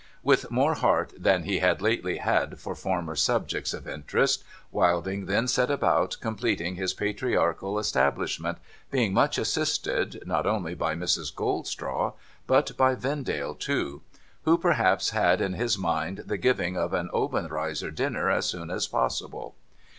With more heart than he had lately had for former subjects of interest. Wilding then set about completing his patriarchal establish ment, being much assisted not only by Mrs. Goldstraw but by Vendale too : who, perhaps, had in his mind the giving of an Obenreizer dinner as soon as possible.